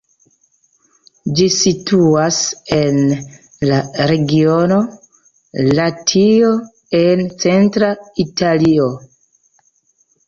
Ĝi situas en la regiono Latio en centra Italio.